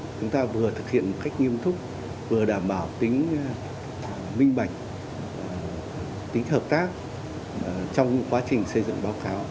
chúng ta vừa thực hiện một cách nghiêm túc vừa đảm bảo tính minh bạch tính hợp tác trong quá trình xây dựng báo cáo